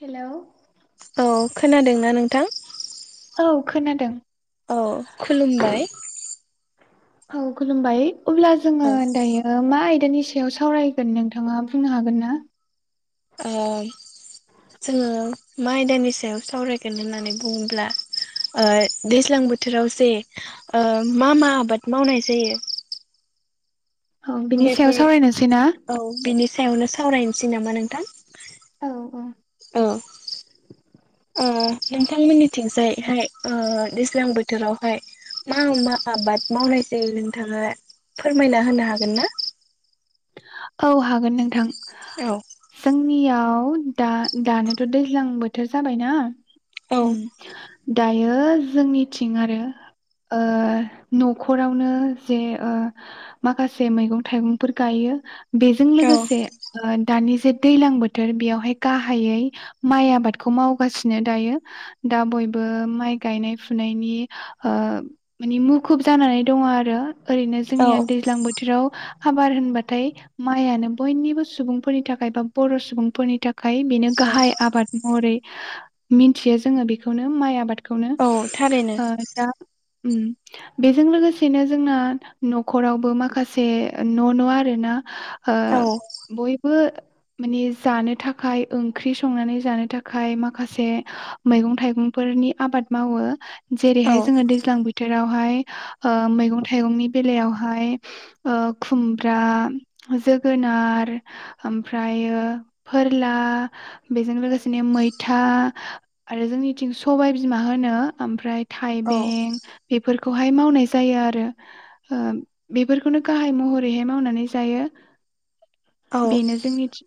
Hello औ खोना दोंना नों नोंथां। औ खोनादों। औ खुलुम बाय। औ खुलुमबाय। अब्ला जोङो औ दायो मा बेनि सायाव सावराय गोन नोंथाङा बुंनो हागोन ना? जोङो मा आयदानि सायाव सावरायगोन होननानै बुङोब्ला दैज्लां बोथोराव जे मा मा आबाद मावनाय जायो औ बिनि सायाव बेफोर सावरायनोसै ना? औ बिनि सायावनो सावरायनोै सै नामा नोंथां औ ओ औ ओ नोंथांमोननिथिं जायहाय ओ दैज्लां बोथोरावहाय मा मा आबाद मावनाय जायो नोंथाङा फोरमायना होनो हागोन ना औ हागोन नोंथां औ जोंनिया उन दा दानोथ दैज्लां बोथोर जाबायना औ उम दायो जोंनिथिं आरो ओ नखरावनो जे ओ माखासे मैगं थाइगंफोर गायो बेजों औ लोगोसे ओ दानि जे दैज्लां बोथोर बेयावहाय गाहायै माइ आबादखौ मावगासिनो दायो दा बयबो माइ गायनाय फुनायनि ओ मानि मुखुब जानानै दङ आरो ओरैनो औ जोंनिया दैज्लां बोथोराव हाबार बाथाय मायानो बयनिबो सुबुंफोरनि थाखाय बा बर सुबुंफोरनि थाखाय खाय बेनो औ गाहाय आबाद महरै मिनथियो जोङो बेखौनो माइ आबाद खौनो औ थारैनो ओ दा उम बेजों लोगोसेनो जोंना नखरावबो माखासे न न आ रो ना ओ औ बयबो मानि जानो थाखाय ओंख्रि संनानै जानो थाखाय माखासे मैगं थाइगंफोरनि आबाद मावो औ जेरैहाय जोङो दैज्लां बोथोराव ओमफाय ओ मैगं थाइगंनि बेलायावहाय ओ खुम दा जोगोनार ओमफ्रायो फोरला बेजों लोगोसेनो मैथा आरो जोंनिथिं सबाय बिमा होनो ओमफ्राय औ थाइबें बेफोर खौहाय मावनाय जायो आरो ओ बेफोरखौनो गाहाय मह बेहाय मावनानै जायो औ बेनो जोंनिथि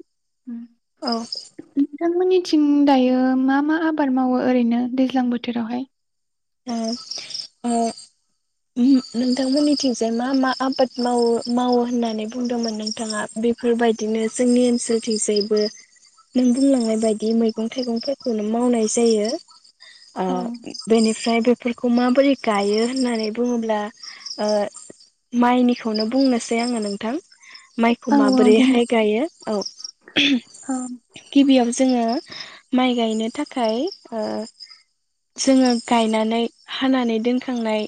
ओ नोंथांमोननिथिं दायो मा मा आबाद मावो ओरैनो दैज्लां बोथोरावहाय ओ ओ ओम नोंथांमोननिथिंजाय मा मा आबाद मावो मावो होननानै बुंदोंमोन नोंथाङा बेफोरबायदिनो जोंनि ओनसोलथिंजायबो नों बुंलांनाय बायदि मैगं थाइगंफोरखौनो मावनाय जायो आ औ बेनि फ्राय बेफोरखौ माबोरै गायो होननानै बुङोब्ला ओ माइनिखौनो बुंनोसै आङो नोंथां। माइखौ औ औ बुंदो माबोरैहाय गायो औ औ गिबियाव जोङो माइ गायनो थाखाय ओ जोङो गायनानै हानानै दोनखांनाय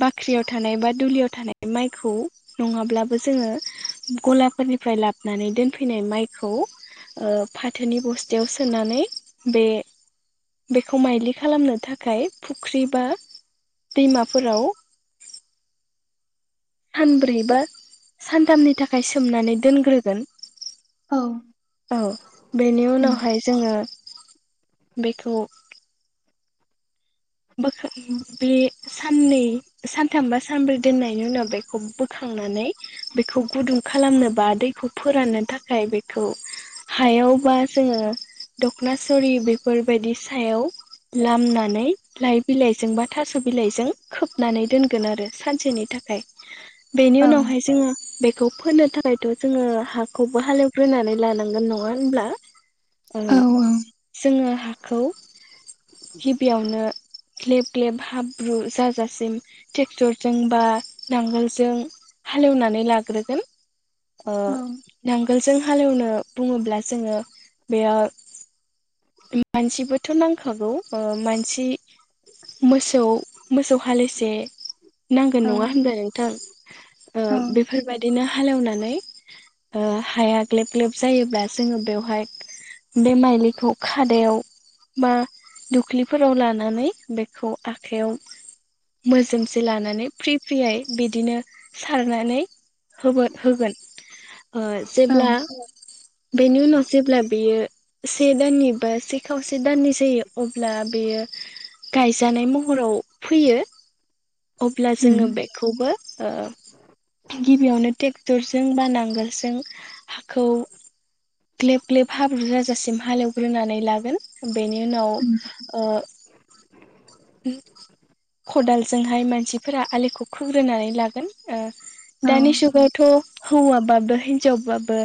बाख्रियाव थानाय बा दुलियाव थानाय माइखौ नङाब्लाबो जोङो गलाफोरनिफ्राय लाबोनानै दोनफैनाय माइखौ फाथोनि बस्थायाव सोनानै बे बेखौ माइलि खालामनो थाखाय फुख्रि बा दैमाफोराव सानब्रै बा सानथामनि थाखाय सोमनानै दोनग्रोगोन। औ औ बेनि उनावहाय जोङो बेखौ बोखां बे साननै सानथाम बा सानब्रै दोननायनि उनाव बेखौ बोखांनानै बेखौ गुदुं खालामनो बा दैखौ फोराननो थाखाय बेखौ हायाव बा जोङो दख'ना सरि बेफोर बायदि सायाव लामनानै लाइ बिलाइजों बा थास' बिलाइजों खोबनानै दोनगोन आरो सानसेनि थाखाय बेनि औ उनावहाय जोङो बे बेखौ फोनो थाखायथ' जोङो हाखौबो हालेवग्रोनानै लानांगोन नङा होनब्ला? औ जोङो खौ गिबियावनो ग्लेब ग्लेब हाब्रु जाजासिम ट्रेक्टरजों बा नांगोलजों हालेवनानै लाग्रोगोन नांगोलजों हालेवनो बुङोब्ला जोङो बेयाव मानसिबोथ' नांखागौ ओ मानसि मोसौ मोसौ हालिसे। नांगौ नङा होनबाय नोंथां। औ ओं बेफोर बायदिनो हालेवनानै हाया ग्लेब ग्लेब जायोब्ला जोङो बेवहाय बे माइलिखौ खादायाव बा दुख्लिफोराव लानानै नानै बेखौ आखाइयाव मोजोमसे लानानै फ्रि फ्रियै बिदिनो सारनानै होगोन होगोन। औ जेब्ला बेनि उनाव जेब्ला बेयो से दाननि बा खावसे दाननै जायो अब्ला बेयो गायजानाय महराव फैयो अब्ला उम जोङो बेखौबो गिबियावनो ट्रेक्टरजों बा नांगोलजों हाखौ ग्लेब ग्लेब हाब्रु जाजासिम हालेवग्रोनानै लागोन बेनि उनाव उम ओ खदालजोंहाय मानसिफोरा आलिखौ खोग्रोनानै लागोन। ओ औ दानि जुगावथ' हौवाबाबो हिनजावबाबो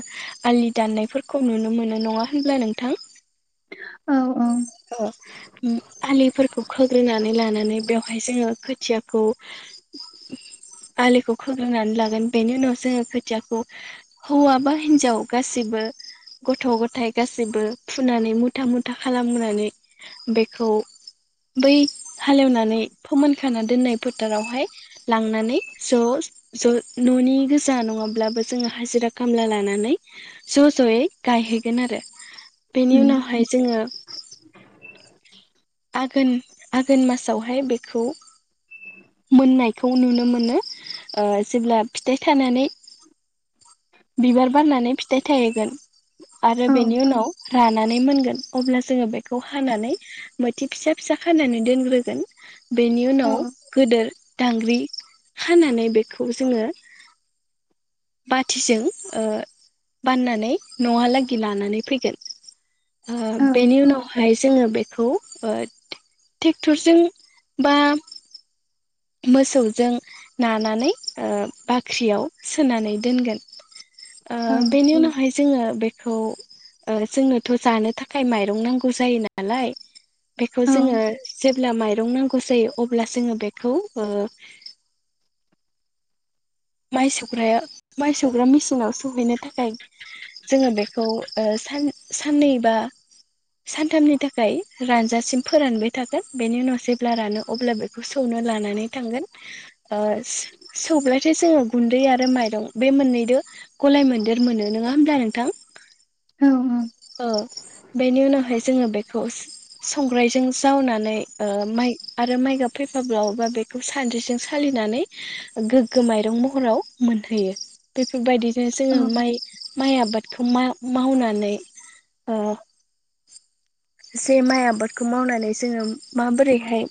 आलि दाननायफोरखौ नुनो मोनो नङा होनब्ला नोंथां? औ औ अ उम आलिफोरखौ खोग्रोनानै लानानै बेवहाय जोङो खोथियाखौ आलिखौ खोग्रोनानै लागोन। बेनि उनाव जोङो खोथियाखौ हौवा बा हिनजाव गासिबो गथ' गथाय गासिबो फुनानै मुथा मुथा खालामनानै बेखौ बै हालेवनानै फोमोनखाना दोननाय फोथारावहाय लांनानै ज' ज' न'नि गोजा नङाब्लाबो जोङो हाजिरा खामला लानानै ज' ज'यै गायहैगोन आरो बेनि उम उनावहाय जोङो आघोन आघोन मासावहाय बेखौ मोननायखौ नुनो मोनो। जेब्ला फिथाइ थानानै बिबार बारनानै फिथाइ थाहोगोन आरो औ बेनि उनाव रानानै मोनगोन अब्ला जोङो बेखौ हानानै मोथि फिसा फिसा खानानै दोनग्रोगोन। बेनि औ उनाव गिदिर दांग्रि हानानै बेखौ जोङो बाथिजों ओ बाननानै न'हालागि लानानै फैगोन। ओ औ बेनि उनाहाय जोङो बेखौ ओ ट्रेक्टरजों बा मोसौजों नानानै ओ बाख्रियाव सोनानै दोनगोन। ओ औ बेनि उनावहाय जोङो बेखौ ओ जोंनोथ' जानो थाखाय माइरं नांगौ जायो नालाय बेखौ जोङो जेब ब्ला माइरं नांगौ जायो अब्ला जोङो बेख खौ ओ माइ सौग्राया माइ सौग्रा मेसिनाव सौहैनो थाखाय जोङो बेखौ ओ सान साननै बा सानथामनि थाखाय रानजासिम फोरानबाय थागोन बेनि उनाव जेब्ला रानो अब्ला बेखौ सौनो लानानै थांगोन ओ सौब्ला से जोङो गुन्दै आरो माइरं बे मोननैदो गलाय मोन्देर मोनो नोङा होमब्ला नोंथां अह बेनि उनावहाय जोङो बेखौ संग्रायजों जावनानै ओ माइ आरो माइ गाब फैफाब्लावोबा बेखौ सानद्रिजों सालिनानै गोग गो माइरं महराव मोनहैयो बेफोरबायदि नो जोङो माइ माइ आबादखौ मा मावनानै ओ जे माइ आबादखौ मावनानै जोङो माबोरैहाय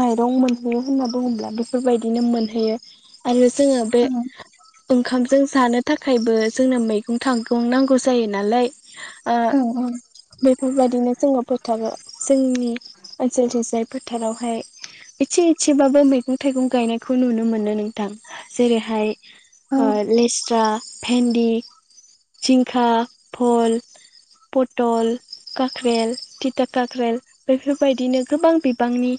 माइरं मोनहैयो होनना बुङोब्ला बेफोरबायदिनो मोन होयो आरो जोङो बे औ ओंखामजों जानो थाखायबो जोंनो मैगं थागं नांगौ जायो नालाय ओ औ औ बेफोरबायदिनो जोङो फोथार जोंनि ओनसोलथि जाय फोथारावहाय एसे एसेबाबो मैगं थाइगं गायनायखौ नुनो मोनो नोंथां। जेरैहाय औ ओ लेस्रा भेन्दि, जिंखा, भल, पट टल, काख्रेल, तिता काख्रेल बेफोरबायदिनो गोबां बिबांनि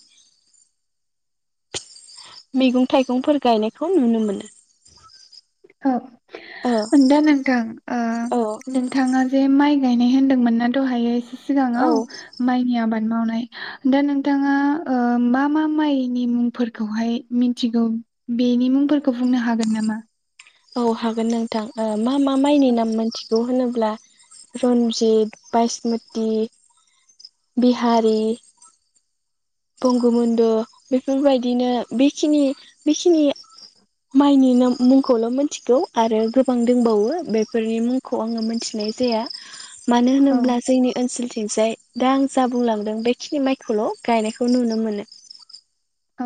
फिथ मैगं थाइगंफोर गायनायखौ नुनो मोनो। औ औ दा नोंथां ओ औ नोंथाङा जे माइ गायनाय होनदोंमोन ना दहायो। औ सिगाङाव माइनि आबाद मावनाय दा नोंथाङा ओ मा मा माइनि मुंफोरखौहाय मिथिगौ? बेनि मुंफोरखौ बुंनो हागोन नामा? औ हागोन नोंथां अओ मा मा माइनि नाम मोनथिगौ होनोब्ला रन्जित, बायसमति, बिहारि बंग बन्दु बेफोरबायदिनो बेखिनि बेखिनि माइनि नाम मुंखौल' मिथिगौ आरो गोबां दोंबावो बेफोरनि मुंखौ आङो मोनथिनाय जाया। मानो औ होनोब्ला जोंनि ओनसोलथिंजाय दा आं जा बुंलांदों बेखिनि माइखौल' गायनायखौ नुनो मोनो। औ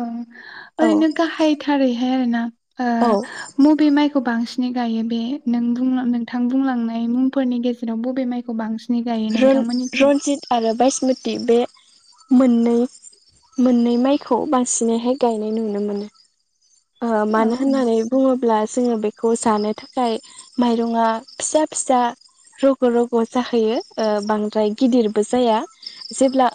औ ओरैनो गाहायथारैहाय आरो ना ओ मुबे माइखौ बांसिन नि गायो बे नों बुं नोंथां बुंलांनाय मुंफोरनि गेजेराव बबे माइखौ बांसिन रुन रनजित आरो बायस मोनथि बे मोननै मोननै माइखौ बांसिनैहाय गायनाय नुनो मोनो। ओ औ मानो होननानै औ बुङोब्ला जोङो बेखौ जानो थाखाय माइरं आ फिसा फिसा रग' रग' जाहैयो ओ बांद्राय गिदिरबो जाया। जेब्ला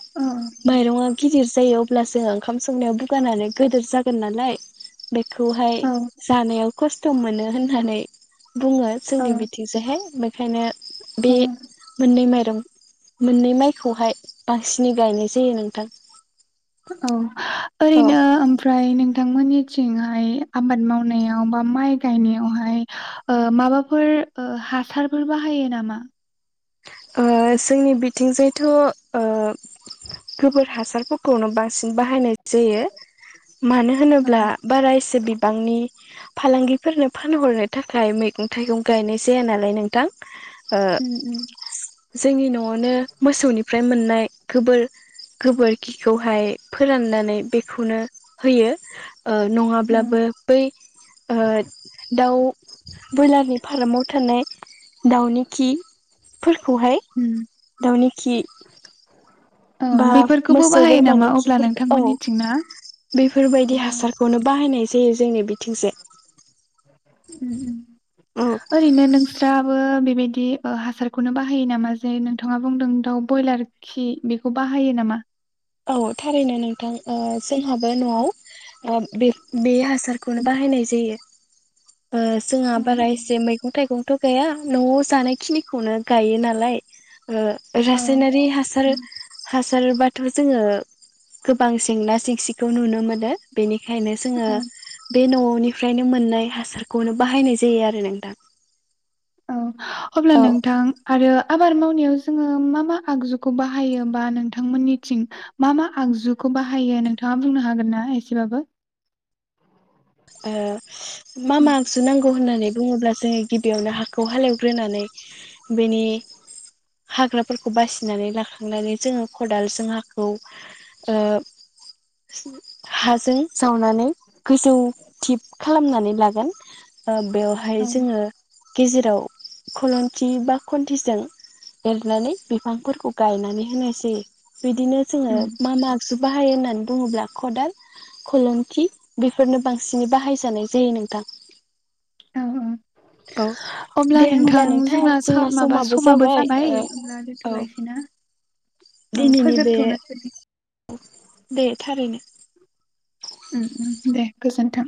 माइरंङा गिदिर जायो अब्ला जोङो ओंखाम संनायाव बुगानानै गिदिर जागोन नालाय। बेखौहाय औ जानायाव खस्थ' मोनो होननानै बुङो औ जोंनि बिथिंजोंहाय मै ओंखायनो बे औ मोननै माइ [unintelligible] मोननै माइखौहाय बांसिनै गायनाय जायो नोंथां। औ। औ ओरैनो ओमफ्राय नों नोथां मोननिथिंहाय आबाद मावनायाव बा माइ गायनायावहाय ओ माबाफोर ओ हासारफोर बाहायो नामा? ओ जोंनि बिथिंजायथ' ओ गोबोर हासारखौ खौनो बांसिन बाहायनाय जायो मानो औ होनोब्ला बारा इसे बि बिफांनि फालांगिफोरनो फानहरनो थाखाय मैगं थाइगं गायनाय जाया नालाय नोंथां। ओ उम उम। जोंनि न'आवनो मोसौनिफ्राय मोननाय गोबोर गोबोरखिखौहाय फोराननानै बेखौनो होयो ओ औ नङाब्लाबो बै ओ दाउ ब्रयलारनि फारामाव थानाय दावउनि खि। फोरखौहाय उम दाउनि खि ओं बा बेफोरखौबो मोसौ बाहायो नामा बोरमानि अब्ला खिफोरखौ औ नोंथांमोननिथिं ना? बेफोरबायदि उम हासारखौनो बाहाय नाय जायो जोंनि बिथिंजाय। उम उम औ। ओरैनो नोंस्राबो बेबायदि बिदि ओ हासारखौनो बाहायो नामा जे नोंथाङा बुंदों दाउ ब्रयलार खि बेखौ बाहायो नामा? औ थारैनो नोंथां ओ जोंहाबो न'आव ओ बे बे हासारखौनो बाहायनाय जायो। ओ जोंहा औ बारा एसे मैगं थाइगं थ' गैया न'आव जानाय खिनिखौनो गायो नालाय। ओ औ रासायनारि हासार उम हासार बा थ' जोङो गोबां जेंना जेंसिखौ नुनो मोनो बेनिख खायनो जोङो औ बे न'निफ्रायनो मोननाय हासारखौनो बाहायनाय जायो आरो नोंथां। औ अब्ला औ नोंथां आरोबा आबाद मावनायाव जोङो मा मा आगजुखौ बाहायो बा नोंथांमोननिथिं मा मा आगजुखौ बाहायो नोंथाङा बुंनो हागोन ना एसेबाबो? ओ मा मा गजु नांगौ होननानै बुङोब्ला जोङो गिबियावनो हाखौ हालेवग्रोनानै बेनि हाग्राफोरखौ बासिनानै लाखांनानै जोङो खदालजों हाखौ ओ हाजों जावनानै गोजौ थिप खालामनानै लागोन। ओ बेवहाय औ जोङो गेजेराव खलन्थि बा खन्थिजों एरनानै बिफांफोरखौ गायनानै होनाय जायो। बिदिनो जोङो उम मा मा आगजु बाहायो होननानै बुङोब्ला खदाल खलुमथि बेफोरनो बां सिन बाहायजानाय जायो नोंथां। औ औ। औ अब्ला नोंथां जोंना माबा समाबो जाबाय अब्ला औ दोन्थ' लायसै ना? औ फोजोबथ'नोसैै। बेे थारैनो। उम दे गोजोन्थों।